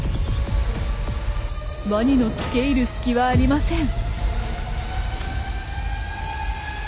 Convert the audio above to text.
ワニのつけいる隙はありません。